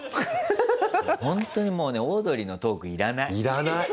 ほんとにもうねオードリーのトーク要らない。